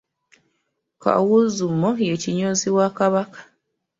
Kawuuzuumo ye kinyoozi wa Kabaka.